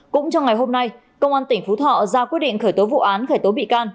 cũng trong ngày hôm nay công an tỉnh phú thọ ra quyết định khởi tố vụ án khởi tố bị can